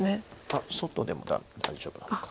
あっ外でも大丈夫なのか。